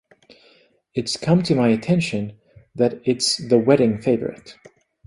It's come to my attention that it's the wedding favourite.